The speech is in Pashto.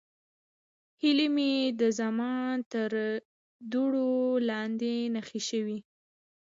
هیلې مې د زمان تر دوړو لاندې ښخې شوې.